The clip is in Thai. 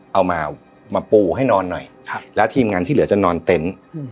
เอามามาปูให้นอนหน่อยแล้วทีมงานที่เหลือจะนอนเต็นต์